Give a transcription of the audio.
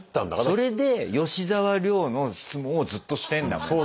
それで吉沢亮の質問をずっとしてんだもん。